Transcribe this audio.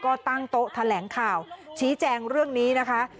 ก็ตั้งโต๊ะแถลงข่าวชี้แจงเรื่องนี้นะคะ